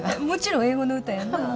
もちろん英語の歌やんな？